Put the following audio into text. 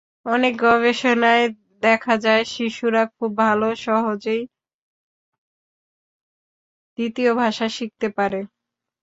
অনেক গবেষণায় দেখা যায়, শিশুরা খুব সহজেই দ্বিতীয় ভাষা শিখতে পারে।